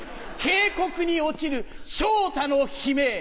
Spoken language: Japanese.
渓谷に落ちる昇太の悲鳴。